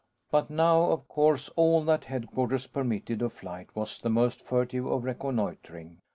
But now, of course, all that Headquarters permitted of flights was the most furtive of reconnoitering.